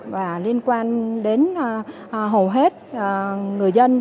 và liên quan đến hầu hết người dân